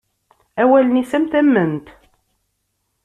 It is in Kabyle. Awalen-is am tament.